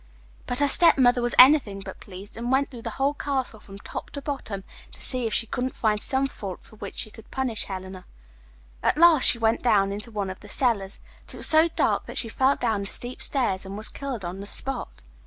But her stepmother was anything but pleased, and went through the whole castle from top to bottom, to see if she couldn't find some fault for which she could punish Helena. At last she went down into one of the cellars, but it was so dark that she fell down the steep stairs and was killed on the spot.